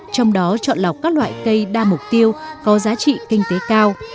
trong đó chọn lọc các loại cây đa mục tiêu có giá trị kinh tế cao